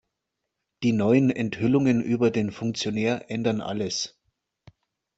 Die neuen Enthüllungen über den Funktionär ändern alles.